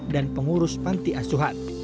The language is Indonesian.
dan pengurus pantiasuan